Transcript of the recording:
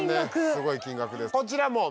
すごい金額で。